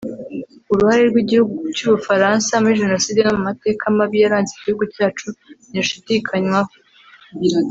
Uruhare rw’igihugu cy’u Bufaransa muri jenoside no mu mateka mabi yaranze Igihugu cyacu ntirushidikanywaho